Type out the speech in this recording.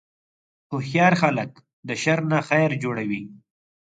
هوښیار خلک د شر نه خیر جوړوي.